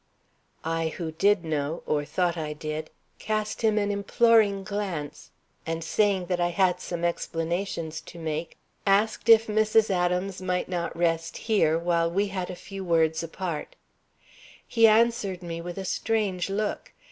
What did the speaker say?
I who did know or thought I did cast him an imploring glance, and, saying that I had some explanations to make, asked if Mrs. Adams might not rest here while we had a few words apart. He answered me with a strange look.